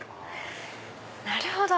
なるほど！